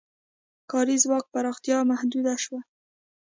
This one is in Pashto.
کاري ځواک پراختیا محدوده شوه.